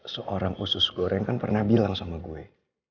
seorang usus goreng kan pernah bilang sama gue